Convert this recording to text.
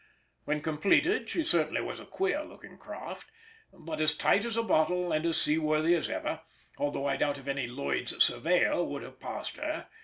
When completed she certainly was a queer looking craft, but as tight as a bottle and as seaworthy as ever, although I doubt if any Lloyd's surveyor would have passed her.